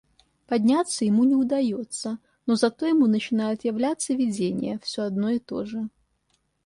Подняться ему не удаётся, но зато ему начинает являться видение, всё одно и тоже.